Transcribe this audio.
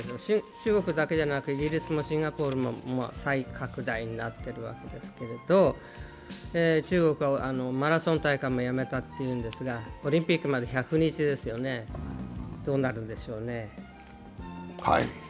中国だけじゃなくてイギリスもシンガポールも再拡大になっているわけですけれども中国はマラソン大会もやめたというんですが、オリンピックまで１００日ですよね、どうなるんでしょうね。